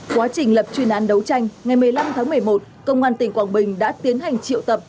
quá trình lập chuyên án đấu tranh ngày một mươi năm tháng một mươi một công an tỉnh quảng bình đã tiến hành triệu tập